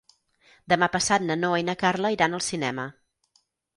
Demà passat na Noa i na Carla iran al cinema.